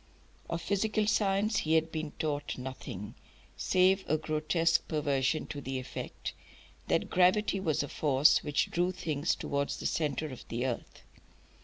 Of physical science he had been taught nothing, save a grotesque perversion to the effect that gravity was a force which drew things towards the centre of the earth.